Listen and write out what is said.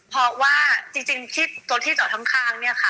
เพราะว่าจริงที่ตัวที่จอดข้างเนี่ยค่ะ